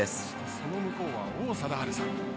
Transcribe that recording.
その向こうは王貞治さん。